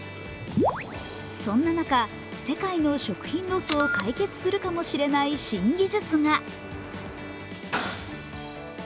そんな中、世界の食品ロスを解決するかもしれない新技術が。